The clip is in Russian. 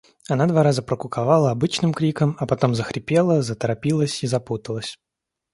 Она два раза прокуковала обычным криком, а потом захрипела, заторопилась и запуталась.